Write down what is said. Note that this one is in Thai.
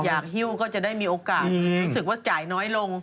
หิ้วก็จะได้มีโอกาสรู้สึกว่าจ่ายน้อยลง